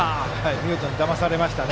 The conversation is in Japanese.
見事にだまされました。